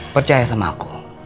percaya sama aku